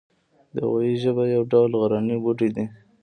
د غویي ژبه یو ډول غرنی بوټی دی